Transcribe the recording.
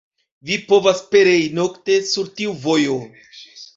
Vi povas perei nokte sur tiu vojo!